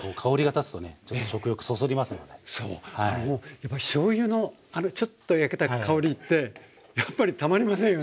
やっぱしょうゆのあのちょっと焼けた香りってやっぱりたまりませんよね。